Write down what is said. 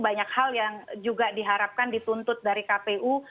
banyak hal yang juga diharapkan dituntut dari kpu